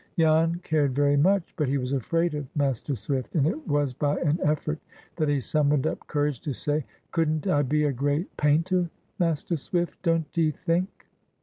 Jan cared very much, but he was afraid of Master Swift; and it was by an effort that he summoned up courage to say,— "Couldn't I be a great painter, Master Swift, don't 'ee think?"